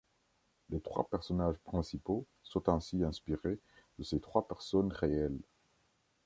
Les trois personnages principaux sont ainsi inspirés de ces trois personnes réelles.